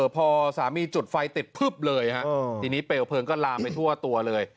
พอสามีจุดไฟติดพึบเลยฮะทีนี้เปลวเพลิงก็ลามไปทั่วตัวเลย